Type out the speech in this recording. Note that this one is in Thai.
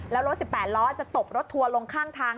แล้วรถ๑๘ล้อจะตบรถทัวร์ลงข้างทาง